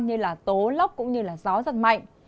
như là tố lốc cũng như là gió giật mạnh